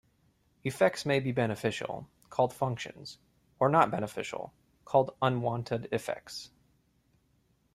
Effects may be beneficial, called "functions", or not beneficial, called "unwanted effects".